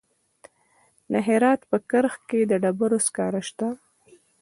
د هرات په کرخ کې د ډبرو سکاره شته.